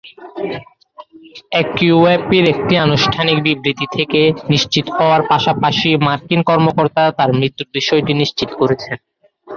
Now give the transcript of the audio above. একিউএপি-র একটি আনুষ্ঠানিক বিবৃতি থেকে নিশ্চিত হওয়ার পাশাপাশি মার্কিন কর্মকর্তারা তাঁর মৃত্যুর বিষয়টি নিশ্চিত করেছেন।